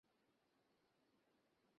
মহিলা সম্ভবত আর একটা পানীয় চান।